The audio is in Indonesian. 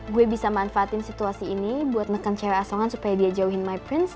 gue bisa manfaatin situasi ini buat nekan cewek asongan supaya dia jauhin my prince